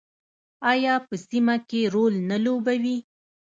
آیا په سیمه کې رول نه لوبوي؟